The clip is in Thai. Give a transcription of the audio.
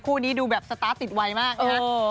คู่นี้ดูแบบสตาร์ทติดไวมากนะฮะ